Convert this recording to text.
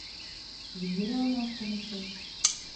Vydírala nás Komise?